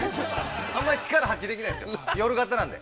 ◆あんまり力を発揮できないんですよ、夜型なんで。